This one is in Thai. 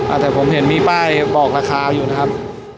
แต่ผมเห็นมีป้ายบอกราคาอยู่นะครับ